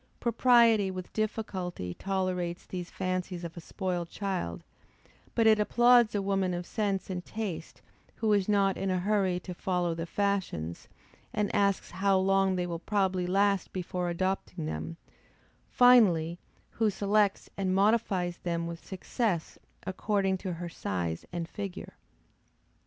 Propriety with difficulty tolerates these fancies of a spoiled child: but it applauds a woman of sense and taste, who is not in a hurry to follow the fashions and asks how long they will probably last before adopting them; finally, who selects and modifies them with success according to her size and figure.